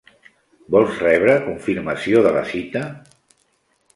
Vols rebre confirmació de la cita?